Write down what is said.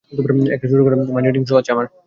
একটা ছোটখাটো mind reading show আছে আমার।